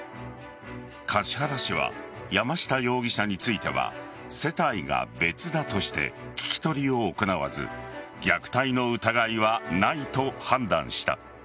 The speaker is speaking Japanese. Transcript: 橿原市は山下容疑者については世帯が別だとして聞き取りを行わず虐待の疑いはないと判断した。